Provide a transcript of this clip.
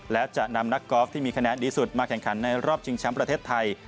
และจะนำนักกอล์ฟที่มีคะแนนดีสุดมาแข่งขันในรอบชิงแชมป์ประเทศไทย